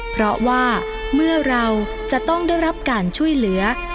เพราะว่าเมื่อเราจะต้องได้รับการช่วยเหลือ